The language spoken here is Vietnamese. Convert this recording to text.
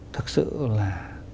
thực sự là